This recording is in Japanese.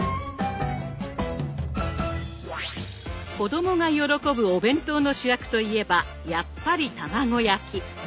子供が喜ぶお弁当の主役といえばやっぱり卵焼き。